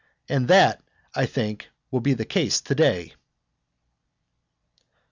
And that I think will be the case to day.